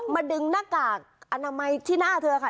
ดึงหน้ากากอนามัยที่หน้าเธอค่ะ